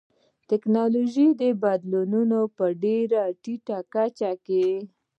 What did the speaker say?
ټکنالوژیکي بدلونونه په ډېره ټیټه کچه کې و